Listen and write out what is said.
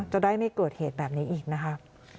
จะได้ไม่เกิดเหตุแบบนี้อีกนะครับ